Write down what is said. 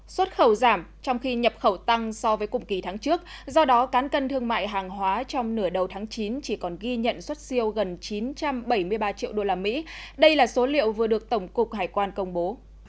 xuất khẩu giảm trong khi nhập khẩu tăng so với cùng kỳ tháng trước do đó cán cân thương mại hàng hóa trong nửa đầu tháng chín chỉ còn ghi nhận xuất siêu gần chín trăm bảy mươi ba triệu usd đây là số liệu vừa được tổng cục hải quan công bố